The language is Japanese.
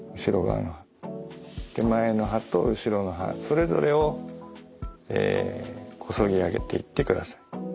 手前の歯と後ろの歯それぞれをえこそぎ上げていってください。